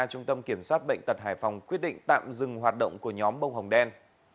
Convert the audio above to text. trung tâm kiểm soát bệnh tật hải phòng quyết định tạm dừng hoạt động của nhóm bông hồng đen